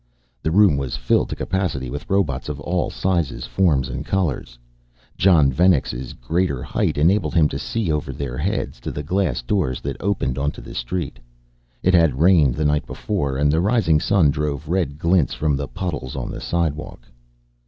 The room was filled to capacity with robots of all sizes, forms and colors. Jon Venex's greater height enabled him to see over their heads to the glass doors that opened onto the street. It had rained the night before and the rising sun drove red glints from the puddles on the sidewalk.